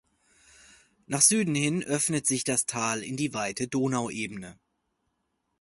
Nach Süden hin öffnet sich das Tal in die weite Donauebene.